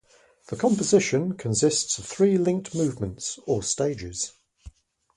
The composition consists of three linked movements, or "stages".